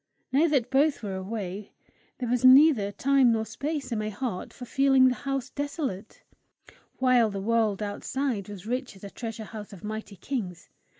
Now that both were away, there was neither time nor space in my heart for feeling the house desolate; while the world outside was rich as a treasure house of mighty kings.